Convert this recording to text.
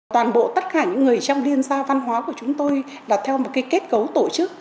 toàn bộ tất cả những người trong liên gia văn hóa của chúng tôi là theo một kết cấu tổ chức